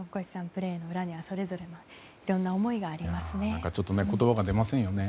プレーの裏にはそれぞれのいろんな思いがありますね。